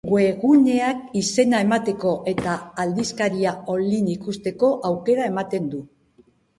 Webguneak izena emateko eta aldizkaria online ikusteko aukera ematen du.